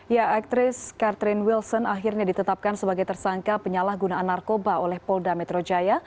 ya aktris catherine wilson akhirnya ditetapkan sebagai tersangka penyalahgunaan narkoba oleh polda metro jaya